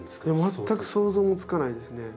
全く想像もつかないですね。